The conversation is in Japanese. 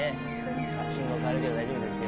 信号変わるけど大丈夫ですよ。